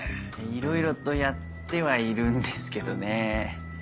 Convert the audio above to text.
いろいろとやってはいるんですけどね。